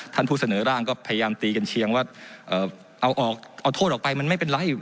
ท่านผู้เสนอร่างก็พยายามตีกันเชียงว่าเอาออกเอาโทษออกไปมันไม่เป็นไร